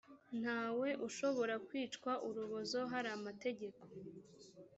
ntawe ushobora kwicwa urubozo haramategeko.